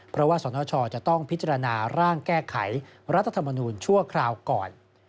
เพราะว่าสนชจะต้องพิจารณาร่างแก้ไขรัฐธรรมนูญชั่วคราวก่อน